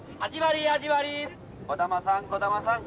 児玉さん児玉さん